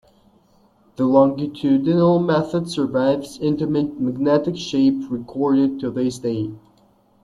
The longitudinal method survives into magnetic tape recording to this day.